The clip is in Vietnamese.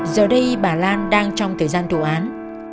giờ đây bà lan đang trong thời gian thủ án